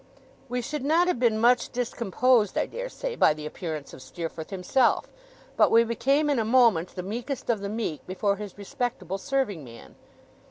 We should not have been much discomposed, I dare say, by the appearance of Steerforth himself, but we became in a moment the meekest of the meek before his respectable serving man.